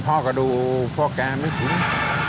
พ่อก็ดูว๊ะแกไม่ถึง